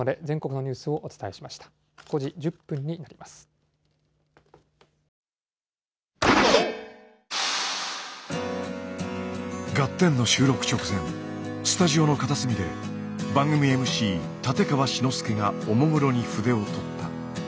「ガッテン！」の収録直前スタジオの片隅で番組ＭＣ立川志の輔がおもむろに筆を執った。